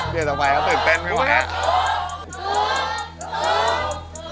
เรียกต่อไปว่าตื่นเต้นไหมวะ